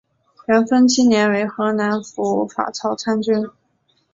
元丰七年为河南府法曹参军。